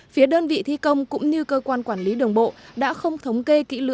phía đơn vị thi công cũng như cơ quan quản lý đường bộ đã không thống kê kỹ lưỡng